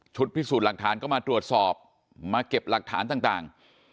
พิสูจน์หลักฐานก็มาตรวจสอบมาเก็บหลักฐานต่าง